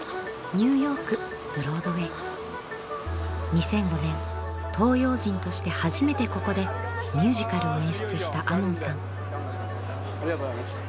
２００５年東洋人として初めてここでミュージカルを演出した亞門さん。